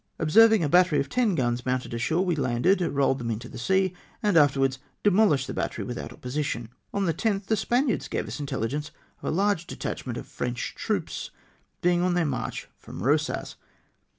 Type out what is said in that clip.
Observing a battery of ten guns mounted ashore, we landed, rohed them into the sea, and afterwards demohshed the battery without opposition. On the 10th, the Spaniards gave us intelligence of a large detachment of French troops being on their march from Eosas.